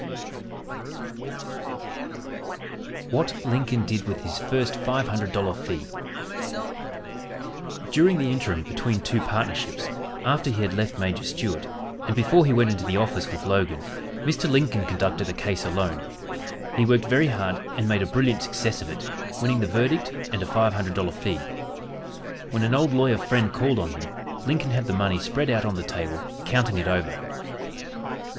WHAT LINCOLN DID WITH HIS FIRST FIVE HUNDRED DOLLAR FEE During the interim between two partnerships, after he had left Major Stuart, and before he went into the office with Logan, Mr. Lincoln conducted a case alone. He worked very hard and made a brilliant success of it, winning the verdict and a five hundred dollar fee. When an old lawyer friend called on him, Lincoln had the money spread out on the table counting it over.